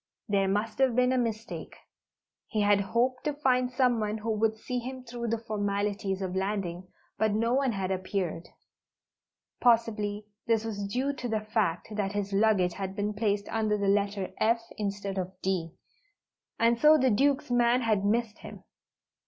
There must have been a mistake. He had hoped to find someone who would see him through the formalities of landing, but no one had appeared. Possibly this was due to the fact that his luggage had been placed under the Letter F instead of D, and so the Duke's man had missed him.